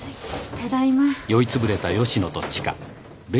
ただいま。